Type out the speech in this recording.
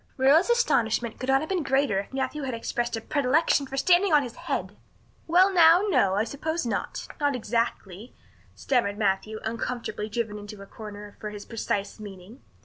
Marilla's astonishment could not have been greater if Matthew had expressed a predilection for standing on his head. "Well, now, no, I suppose not not exactly," stammered Matthew, uncomfortably driven into a corner for his precise meaning.